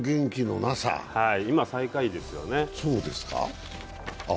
今、最下位ですよね。